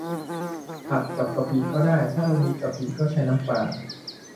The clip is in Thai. ผัดกับกะปิก็ได้ ถ้าไม่มีกะปิก็ใช้น้ำปลา